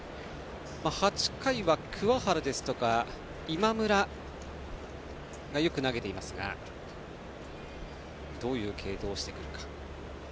８回は鍬原ですとか今村がよく投げていますがどういう継投をしてくるか。